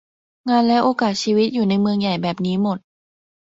งานและโอกาสชีวิตอยู่ในเมืองใหญ่แบบนี้หมด